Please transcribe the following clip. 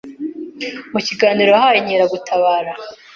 mu kiganiro yahaye Inkeragutabara